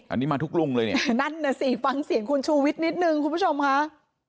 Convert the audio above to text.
อันนี้มาทุกลุงเลยเนี่ยนั่นน่ะสิฟังเสียงคุณชูวิทย์นิดนึงคุณผู้ชมค่ะ